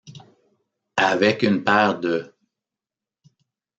Avec une paire de.